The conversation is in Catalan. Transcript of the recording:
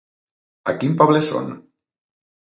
A quin poble són?